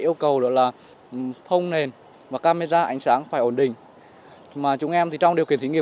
yêu cầu nữa là thông nền và camera ánh sáng phải ổn định mà chúng em thì trong điều kiện thí nghiệm